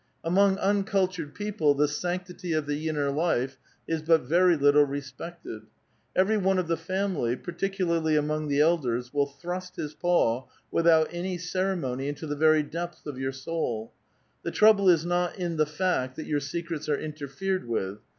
" Among uncultured people the sanctity of the inner life is but very little respected. Every one of the family, particularly among the elders, will thrust his paw, without any ceremony, into the very depths of your soul. The trouble is not in the fact that your secrets are interfered with.